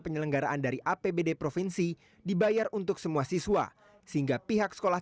penyelenggaraan dari apbd provinsi dibayar untuk semua siswa sehingga pihak sekolah